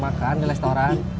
makan di restoran